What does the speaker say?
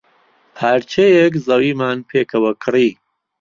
پارچەیەک زەویمان پێکەوە کڕی.